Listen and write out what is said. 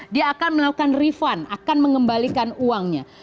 dia akan melakukan refund akan mengembalikan uangnya